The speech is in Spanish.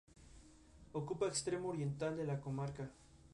Ocupa extremo oriental de la comarca.